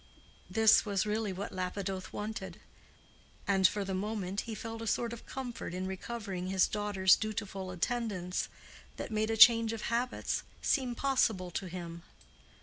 This was really what Lapidoth wanted. And for the moment he felt a sort of comfort in recovering his daughter's dutiful attendance, that made a change of habits seem possible to him.